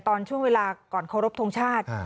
ตอนช่วงเวลาก่อนเคารพทงชาติ